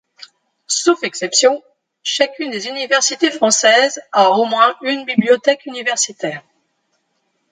Sauf exception, chacune des universités françaises a au moins une bibliothèque universitaire.